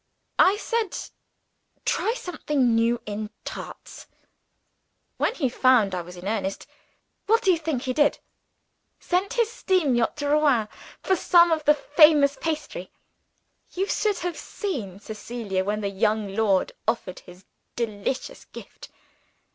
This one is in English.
I said, 'Try something new in Tarts.' When he found I was in earnest, what do you think he did? Sent his steam yacht to Rouen for some of the famous pastry! You should have seen Cecilia, when the young lord offered his delicious gift.